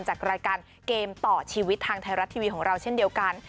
จากรายการเกมต่อชีวิตทางไทยรัฐทีวีของเราเช่นเดียวกัน